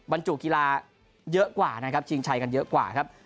บรรจุกีฬาเยอะกว่านะครับชิงชัยกันเยอะกว่าครับ